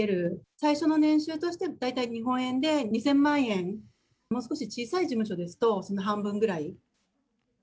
最初の年収としては、大体日本円で２０００万円、もう少し小さい事務所ですと、その半分ぐらい。